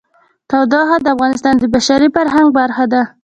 تودوخه د افغانستان د بشري فرهنګ برخه ده.